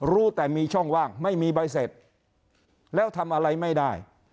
รู้แต่มีช่องว่างไม่มีใบเสร็จแล้วทำอะไรไม่ได้